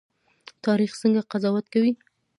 تاریخ څنګه قضاوت کوي؟